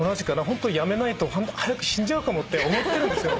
ホントやめないと早く死んじゃうかもって思ってるんですよ